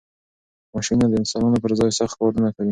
ماشینونه د انسانانو پر ځای سخت کارونه کوي.